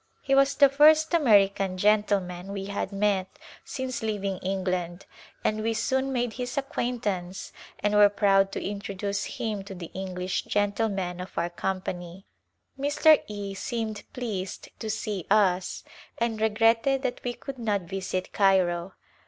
He was the first American gentleman we had met since leaving England and we soon made his acquaintance and were proud to introduce him to the English gentlemen of our A Glimpse of India company. Mr. E seemed pleased to see us and regretted that we could not visit Cairo.